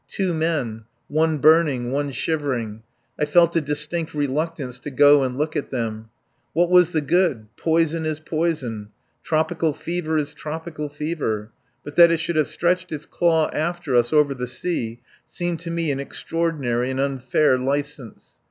Two men. One burning, one shivering. I felt a distinct reluctance to go and look at them. What was the good? Poison is poison. Tropical fever is tropical fever. But that it should have stretched its claw after us over the sea seemed to me an extraordinary and unfair license.